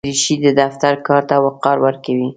دریشي د دفتر کار ته وقار ورکوي.